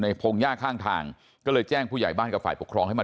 พงหญ้าข้างทางก็เลยแจ้งผู้ใหญ่บ้านกับฝ่ายปกครองให้มา